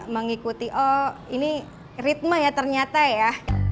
mengikuti oh ini ritme ya ternyata ya